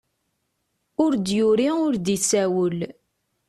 Ur d-yuri ur d-isawel.